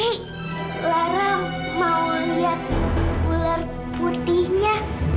ini larang mau lihat ular putihnya